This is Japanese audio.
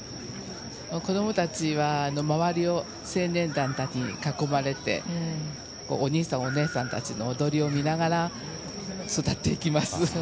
子どもたちは周りを青年団たちに囲まれてお兄さん、お姉さんたちの踊りを見ながら育っていきます。